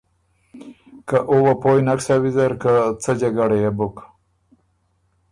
که او وه پویٛ نک سۀ ویزر که څۀ جګړه يې بُک۔